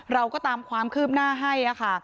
เราก็ตามความคืบหน้าให้ค่ะ